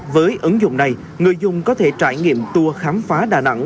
với ứng dụng này người dùng có thể trải nghiệm tour khám phá đà nẵng